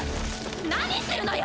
何するのよ！